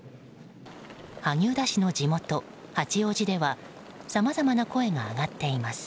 萩生田祭の地元・八王子ではさまざまな声が上がっています。